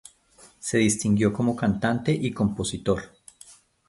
Se distinguió como cantante y compositor.